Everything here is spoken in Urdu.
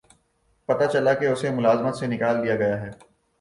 پتہ چلا کہ اسے ملازمت سے نکال دیا گیا ہے